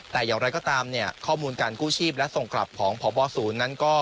แต่อย่างไรก็ตามเนี่ยข้อมูลการกู้ชีพและส่งกลับของพบศูนย์นั้นก็